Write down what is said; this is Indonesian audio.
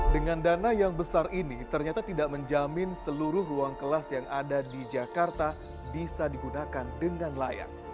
dengan dana yang besar ini ternyata tidak menjamin seluruh ruang kelas yang ada di jakarta bisa digunakan dengan layak